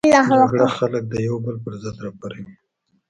جګړه خلک د یو بل پر ضد راپاروي